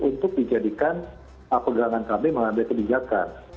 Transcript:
untuk dijadikan pegangan kami mengambil kebijakan